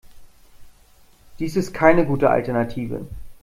Dies ist keine gute Alternative.